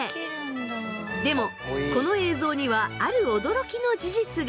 でもこの映像にはある驚きの事実が。